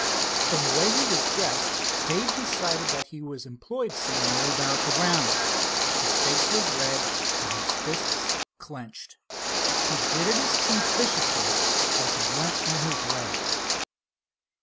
From the way he was dressed Dave decided that he was employed somewhere about the grounds. His face was red and his fists clenched. He gritted his teeth viciously as he went on his way.